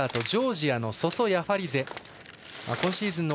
ジョージアのソソ・ヤファリゼ。